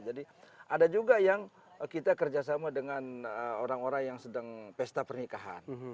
jadi ada juga yang kita kerjasama dengan orang orang yang sedang pesta pernikahan